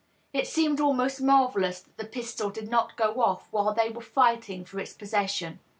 It seemS almost marvellous that the pistol did not go off while they were fighting for its possession.